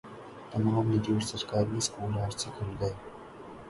تمام نجی اور سرکاری اسکول آج سے کھل گئے